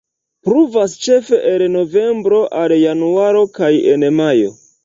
Pluvas ĉefe el novembro al januaro kaj en majo.